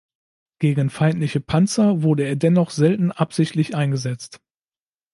Gegen feindliche Panzer wurde er dennoch selten absichtlich eingesetzt.